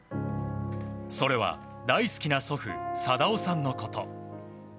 それは、大好きな祖父定夫さんのこと。